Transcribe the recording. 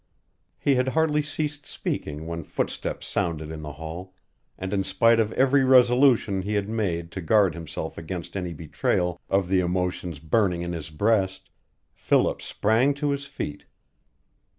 He had hardly ceased speaking when footsteps sounded in the hall, and in spite of every resolution he had made to guard himself against any betrayal of the emotions burning in his breast, Philip sprang to his feet.